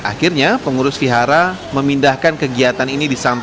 akhirnya pengurus wihara memindahkan kegiatan ini di samping wihara